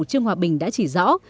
trương hòa bình đã chỉ rõ